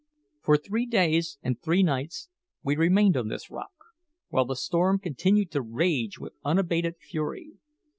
For three days and three nights we remained on this rock, while the storm continued to rage with unabated fury.